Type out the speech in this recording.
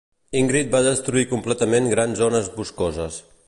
Ingrid va destruir completament grans zones boscoses.